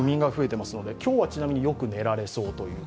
今日はちなみによく寝られそうと。